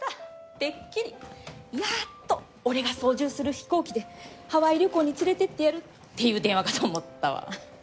てっきりやっと「俺が操縦する飛行機でハワイ旅行に連れていってやる」っていう電話かと思ったわ。